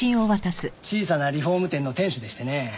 小さなリフォーム店の店主でしてね。